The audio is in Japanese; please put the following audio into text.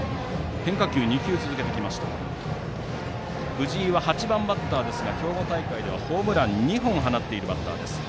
藤井は８番バッターですが兵庫大会ではホームラン２本放っているバッターです。